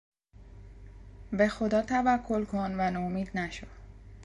به خدا توکل کن ونومید نشو!